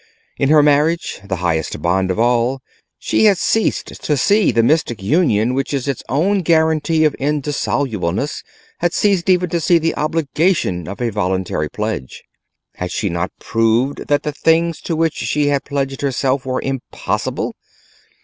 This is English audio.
In her marriage, the highest bond of all, she had ceased to see the mystic union which is its own guarantee of indissolubleness, had ceased even to see the obligation of a voluntary pledge: had she not proved that the things to which she had pledged herself were impossible?